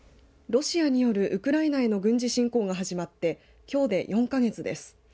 ロシアによるウクライナへの軍事侵攻が始まってきょうで４か月です。